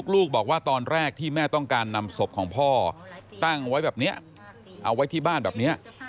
ลูกบอกว่าตอนแรกที่แม่ต้องการนำศพของพ่อตั้งไว้แบบนี้เอาไว้ที่บ้านแบบนี้